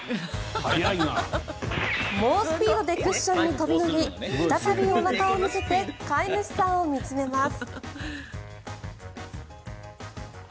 猛スピードでクッションに飛び乗り再びおなかを向けて飼い主さんを見つめます。